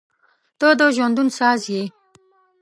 • ته د ژوندون ساز یې.